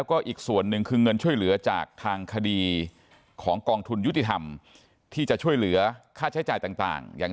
ครอบครัวไม่ได้อาฆาตแต่มองว่ามันช้าเกินไปแล้วที่จะมาแสดงความรู้สึกในตอนนี้